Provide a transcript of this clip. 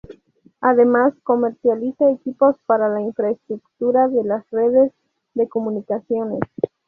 Además comercializa equipos para la infraestructura de las redes de comunicaciones.